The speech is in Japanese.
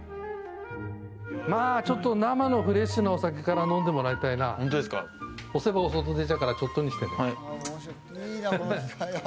まあちょっと生のフレッシュなお酒から飲んでもらいたいなホントですか押せば押すほど出ちゃうからちょっとにしてね